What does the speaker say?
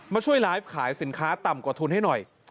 มาช่วยไลฟ์ขายสินค้าต่ำกว่าทุนให้หน่อย